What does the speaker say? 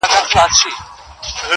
بهار به راسي خو زه به نه یم -